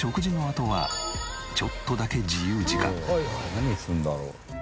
何するんだろう？